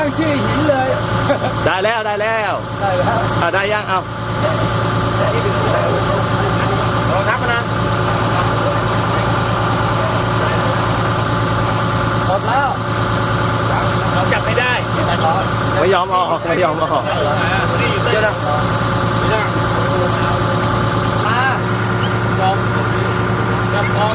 นี่คือแหละสุดท้ายอันนี้อยู่เต้น